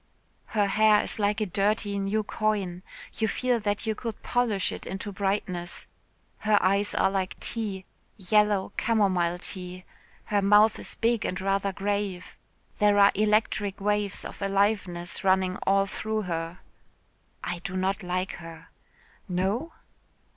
"Her hair is like a dirty new coin. You feel that you could polish it into brightness. Her eyes are like tea yellow camomile tea. Her mouth is big and rather grave. There are electric waves of aliveness running all through her." "I do not like her." "No?"